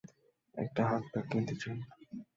একটা হাতব্যাগ কিনতে চাই।